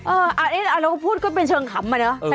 เราก็พูดก็เป็นเชิงขำอะเนอะ